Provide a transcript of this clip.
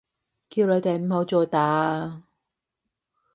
叫你哋唔好再打啊！